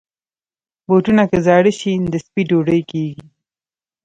بوټونه که زاړه شي، د سپي ډوډۍ کېږي.